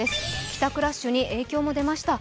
帰宅ラッシュに影響も出ました。